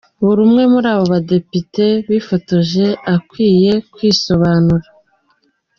Buri umwe muri abo badepite bifotoje akwiye kwisobanura.